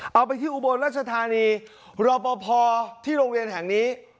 เอาไปที่อุบลรัชธานีรอปภที่โรงเรียนแห่งนี้